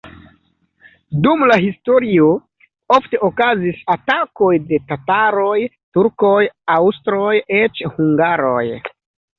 Dum la historio ofte okazis atakoj de tataroj, turkoj, aŭstroj, eĉ hungaroj.